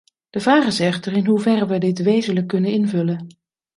De vraag is echter in hoeverre we dit wezenlijk kunnen invullen.